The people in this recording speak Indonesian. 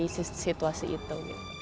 dari situasi itu